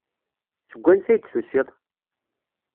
Seg wansi ay d-tusiḍ?